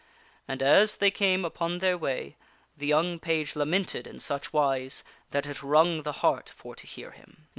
And, as they came upon their way, the young page lamented in such wise that it wrung the heart for to hear him.